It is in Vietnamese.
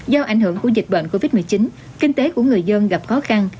do ảnh hưởng của dịch bệnh covid một mươi chín kinh tế của người dân gặp khó khăn